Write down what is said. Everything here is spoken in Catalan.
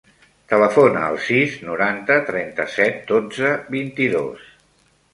Telefona al sis, noranta, trenta-set, dotze, vint-i-dos.